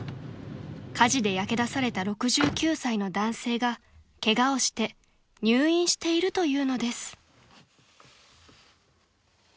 ［火事で焼け出された６９歳の男性がケガをして入院しているというのです］